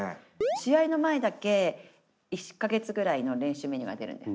試合の前だけ１か月ぐらいの練習メニューが出るんです。